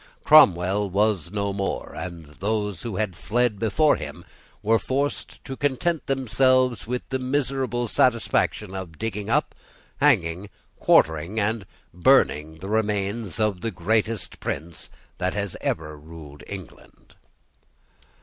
Cromwell was no more; and those who had fled before him were forced to content themselves with the miserable satisfaction of digging up, hanging, quartering, and burning the remains of the greatest prince that has ever ruled England.